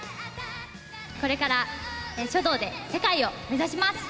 これから書道で世界を目指します。